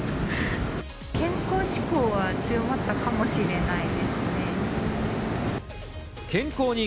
健康志向は強まったかもしれないですね。